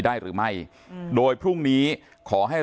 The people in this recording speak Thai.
การสืบทอดอำนาจของขอสอชอและยังพร้อมจะเป็นนายกรัฐมนตรี